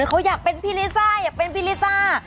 เขาอยากเป็นพี่ลิซ่าอยากเป็นพี่ลิซ่า